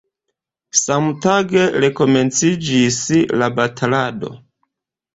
Samtage rekomenciĝis la batalado.